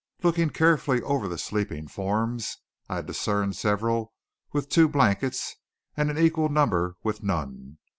Looking carefully over the sleeping forms I discerned several with two blankets, and an equal number with none!